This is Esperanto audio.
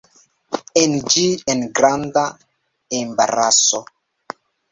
Esti en granda embaraso.